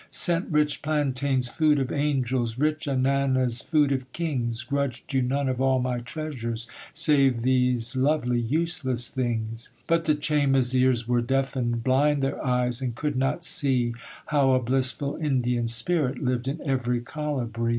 {335o} '"Sent rich plantains, {336a} food of angels; Rich ananas, {336b} food of kings; Grudged you none of all my treasures: Save these lovely useless things." 'But the Chaymas' ears were deafened; Blind their eyes, and could not see How a blissful Indian's spirit Lived in every colibri.